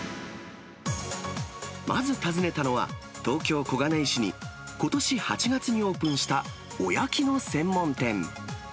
まず訪ねたのは、東京・小金井市にことし８月にオープンした、おやきの専門店。